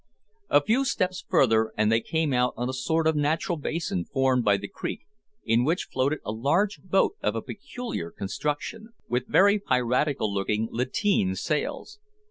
A few steps further and they came out on a sort of natural basin formed by the creek, in which floated a large boat of a peculiar construction, with very piratical looking lateen sails.